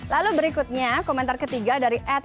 lalu berikutnya komentar ketiga dari ed